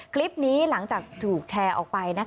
คลิปนี้หลังจากถูกแชร์ออกไป